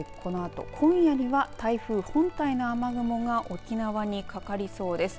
このあと今夜には台風本体の雨雲が沖縄にかかりそうです。